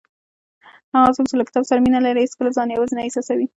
هغه څوک چې له کتاب سره مینه لري هیڅکله ځان یوازې نه احساسوي.